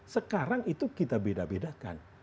sekarang itu kita beda bedakan